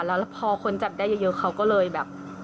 แล้วพอคนจับได้เยอะเขาก็เลยแบบ